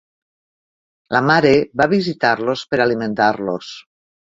La mare va a visitar-los per alimentar-los.